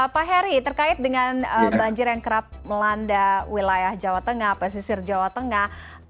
pak heri terkait dengan banjir yang kerap melanda wilayah jawa tengah pesisir jawa tengah